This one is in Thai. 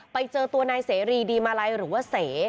ไปเจอตัวนายเสรีดีมาลัยหรือว่าเส